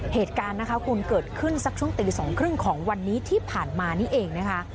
เหตุการณ์นะคะคุณเกิดขึ้นสักช่วงตี๒๓๐ของวันนี้ที่ผ่านมานี่เองนะคะ